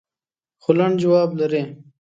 خو لنډ ځواب لري.